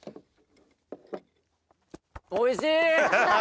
おいしい！